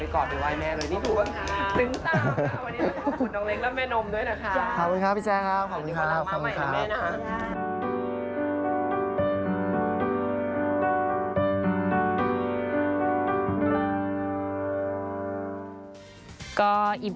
ขอแม่ให้พอลูกนะครับ